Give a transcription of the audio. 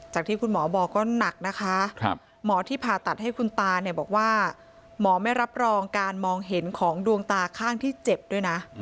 ที่คุณหมอบอกก็หนักนะคะหมอที่ผ่าตัดให้คุณตาเนี่ยบอกว่าหมอไม่รับรองการมองเห็นของดวงตาข้างที่เจ็บด้วยนะ